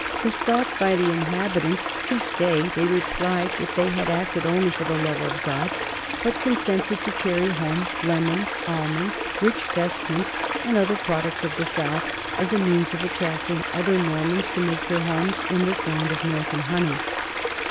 Besought by the inhabitants to stay, they replied that they had acted only for the love of God, but consented to carry home lemons, almonds, rich vestments, and other prod ucts of the south as a means of attracting other Nor mans to make their homes in this land of milk and honey.